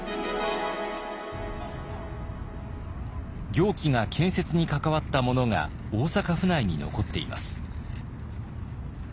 行基が建設に関わったものが大阪府内に残っています。